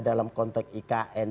dalam konteks ikn